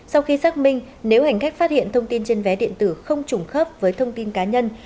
sau khi xác minh nếu hành khách phát hiện thông tin trên vé điện tử không trùng khớp với thông tin cá nhân